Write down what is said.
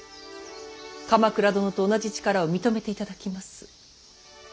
鎌倉殿と同じ力を認めていただきます。